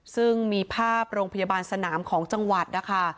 ซึ่งมีภาพโรงพยาบาลสนามของจังหวัดนะคะ